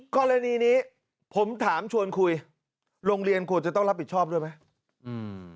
กรณีนี้ผมถามชวนคุยโรงเรียนควรจะต้องรับผิดชอบด้วยไหมอืม